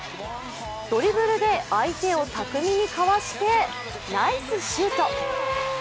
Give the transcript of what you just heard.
ドリブルで相手を巧みにかわしてナイスシュート。